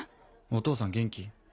お父さん元気？